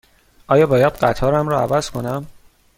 آیا باید قطارم را عوض کنم؟